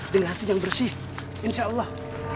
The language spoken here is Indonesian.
dengan hati yang bersih insya allah